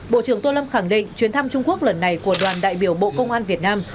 bộ trưởng tô lâm khẳng định chuyến thăm trung quốc lần này của đoàn đại biểu bộ công an việt nam